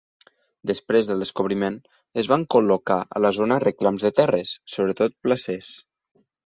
Després del descobriment, es van col·locar a la zona reclams de terres, sobretot placers.